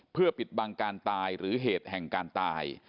เพื่อปิดบังการตายหรือเหตุแห่งการตาย